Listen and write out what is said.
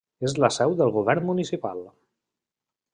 És la seu del govern municipal.